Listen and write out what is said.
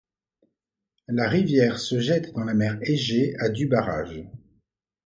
La rivière se jette dans la Mer Égée à du barrage.